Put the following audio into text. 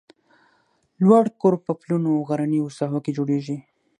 لوړ کرب په پلونو او غرنیو ساحو کې جوړیږي